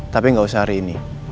tapi nggak usah hari ini